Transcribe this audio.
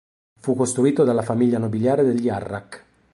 Fu costruito dalla famiglia nobiliare degli Harrach.